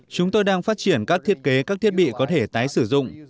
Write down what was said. chúng tôi đang phát triển các thiết kế các thiết bị có thể tái sử dụng